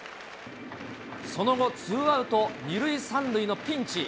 その後、ツーアウト２塁３塁のピンチ。